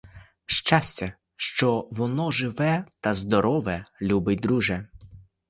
Щастя, що воно живе та здорове, любий друже.